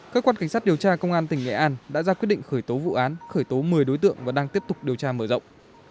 cơ quan cảnh sát điều tra công an tỉnh nghệ an đã ra quyết định khởi tố vụ án khởi tố một mươi đối tượng và đang tiếp tục điều tra mở rộng